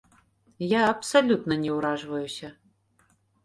Я абсалютна не ўражваюся.